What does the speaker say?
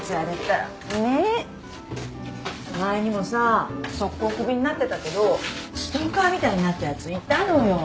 前にもさ即行首になってたけどストーカーみたいになったやついたのよ。